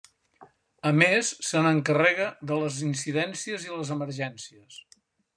A més se n'encarrega de les incidències i les emergències.